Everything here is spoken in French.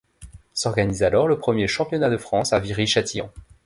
S'organise alors le premier championnat de France, à Viry-Châtillon.